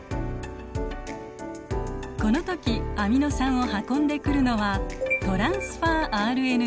この時アミノ酸を運んでくるのはトランスファーＲＮＡ。